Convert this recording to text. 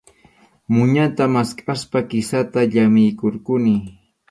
Muñata maskaspa kisata llamiykurquni.